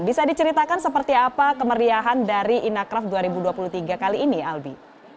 bisa diceritakan seperti apa kemeriahan dari inacraft dua ribu dua puluh tiga kali ini albi